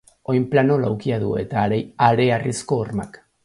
Oinplano laukia du eta hareharrizko hormak.